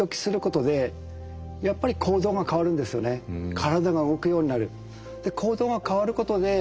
体が動くようになる。